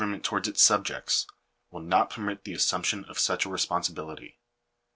ment towards its subjects, will not permit tbe assumption of such a responsibility.